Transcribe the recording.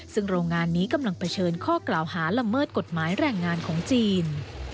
ซึ่งโรงงานนี้กำลังเผชิญข้อกล่าวหาละเมิดกฎหมายแรงงานของจีน